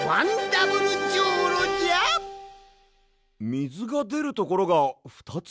みずがでるところがふたつ？